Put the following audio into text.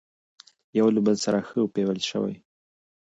يوه له بل سره ښه پويل شوي،